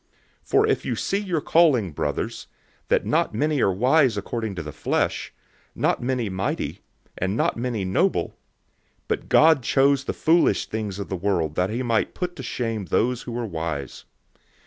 001:026 For you see your calling, brothers, that not many are wise according to the flesh, not many mighty, and not many noble; 001:027 but God chose the foolish things of the world that he might put to shame those who are wise.